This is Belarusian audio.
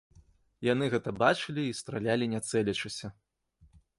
Яны гэта бачылі і стралялі не цэлячыся.